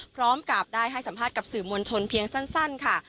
พร้อมกับได้ให้สัมภาษณ์กับสื่อมวลชนเพียงสั้นค่ะ